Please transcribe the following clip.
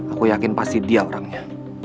aku yakin pasti dia orangnya